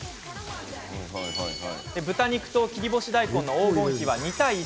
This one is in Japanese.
豚肉と切り干し大根の黄金比は２対１。